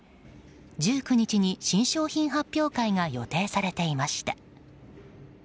１９日に新商品発表会が予定されていました。